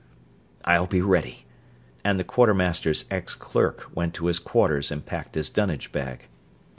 "I'll be ready!" and the Quartermaster's ex clerk went to his quarters and packed his dunnage bag.